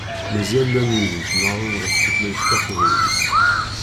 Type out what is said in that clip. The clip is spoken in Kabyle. Mazal llan wid yettnaɣen ɣef tutlayt taqbaylit.